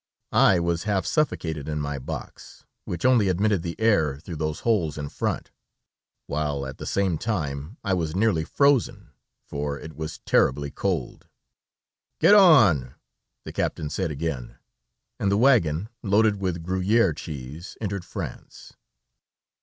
I was half suffocated in my box, which only admitted the air through those holes in front, while at the same time I was nearly frozen, for it was terribly cold. "Get on," the captain said again, and the wagon loaded with Gruyère cheese entered France.